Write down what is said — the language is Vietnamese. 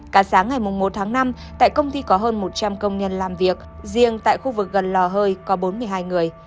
cả sáng ngày một tháng năm tại công ty có hơn một trăm linh công nhân làm việc riêng tại khu vực gần lò hơi có bốn mươi hai người